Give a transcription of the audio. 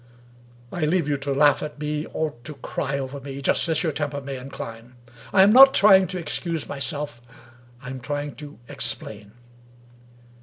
I leave you to laugh at me, or to cry over me, just as your temper may incline. I am not try ing to excuse myself — I am trying to explain.